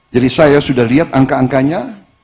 jadi saya sudah lihat angka angkanya